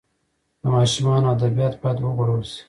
د ماشومانو ادبیات باید وغوړول سي.